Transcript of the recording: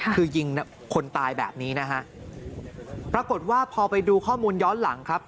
คือยิงคนตายแบบนี้นะฮะปรากฏว่าพอไปดูข้อมูลย้อนหลังครับ